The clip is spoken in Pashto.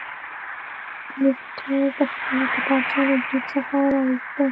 لیسټرډ خپله کتابچه له جیب څخه راویسته.